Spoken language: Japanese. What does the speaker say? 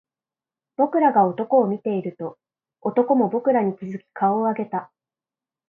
僕らが男を見ていると、男も僕らに気付き顔を上げた